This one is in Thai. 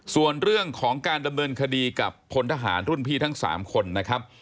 ส่วนเรื่องของการดำเนินคดีกับพลทหารรุ่นพี่ทั้ง๓คนนะครับ